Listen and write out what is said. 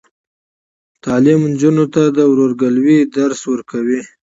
تعلیم نجونو ته د ورورګلوۍ درس ورکوي.